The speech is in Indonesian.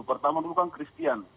pertama itu kan kristian